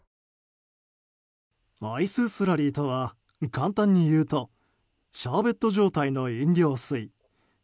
アイススラリーとは簡単に言うとシャーベット状態の飲料水。